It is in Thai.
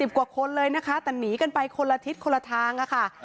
กว่าคนเลยนะคะแต่หนีกันไปคนละทิศคนละทางค่ะ